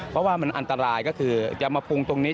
เพราะว่ามันอันตรายก็คือจะมาปรุงตรงนี้